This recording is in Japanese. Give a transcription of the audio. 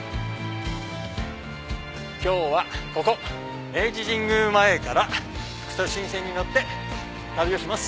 今日はここ明治神宮前から副都心線に乗って旅をします。